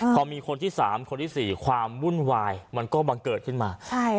พอมีคนที่๓คนที่๔ความวุ่นวายมันก็บังเกิดขึ้นมา